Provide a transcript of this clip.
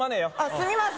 住みます